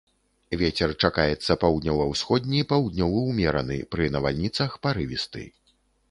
Вецер чакаецца паўднёва-ўсходні, паўднёвы ўмераны, пры навальніцах парывісты.